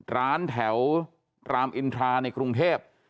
ร้านแถวรามอินทราในกรุงเทพ